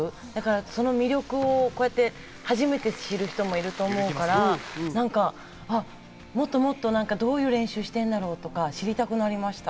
その魅力をこうやって初めて知る人もいると思うから、もっともっとどういう練習してんだろうとか知りたくなりました。